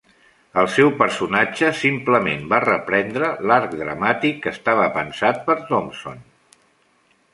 El seu personatge simplement va reprendre l'arc dramàtic que estava pensat per Thompson.